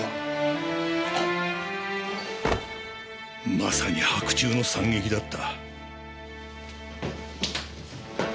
まさに白昼の惨劇だった。